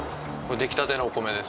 出来たてのお米です。